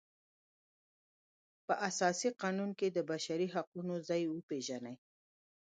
په اساسي قانون کې د بشر د حقونو ځای وپیژني.